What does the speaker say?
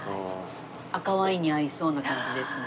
赤ワインに合いそうな感じですね。